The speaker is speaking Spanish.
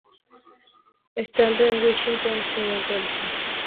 Estando en Wisconsin se naturalizó ciudadano estadounidense.